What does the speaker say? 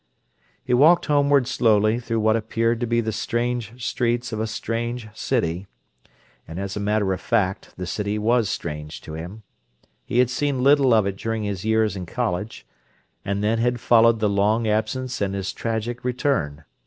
He walked homeward slowly through what appeared to be the strange streets of a strange city; and, as a matter of fact, the city was strange to him. He had seen little of it during his years in college, and then had followed the long absence and his tragic return.